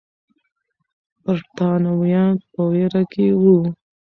برتانويان په ویره کې وو.